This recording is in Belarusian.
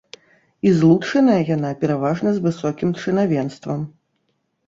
І злучаная яна пераважна з высокім чынавенствам.